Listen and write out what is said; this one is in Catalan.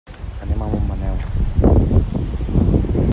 Anem a Montmaneu.